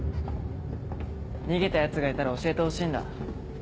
逃げた奴がいたら教えてほしいんだ。